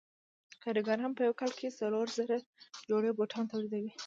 کارګران په یو کال کې څلور زره جوړې بوټان تولیدوي